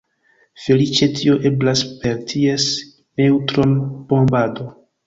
Feliĉe tio eblas per ties neŭtronbombado.